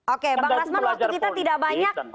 oke bang rasman waktu kita tidak banyak